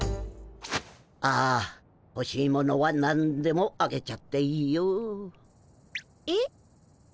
ああほしいものはなんでもあげちゃっていいよ。え？